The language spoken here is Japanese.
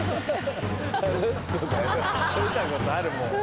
見たことあるもん。